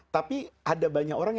tapi ada banyak orang